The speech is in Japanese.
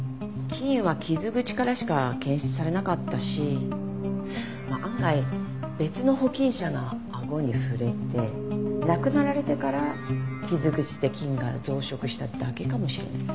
菌は傷口からしか検出されなかったし案外別の保菌者があごに触れて亡くなられてから傷口で菌が増殖しただけかもしれない。